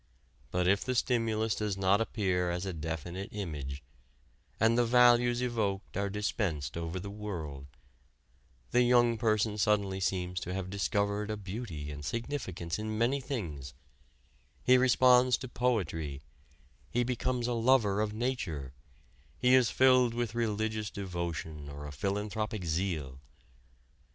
But if the stimulus does not appear as a definite image, and the values evoked are dispensed over the world, the young person suddenly seems to have discovered a beauty and significance in many things he responds to poetry, he becomes a lover of nature, he is filled with religious devotion or with philanthropic zeal.